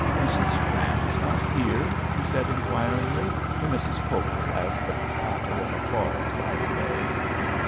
" Mrs. Grant is not here ?" he said, inquiringly, to Mrs. Cowell, as the patter of applause died away.